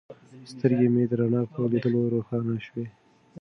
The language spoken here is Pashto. سترګې مې د رڼا په لیدلو روښانه شوې.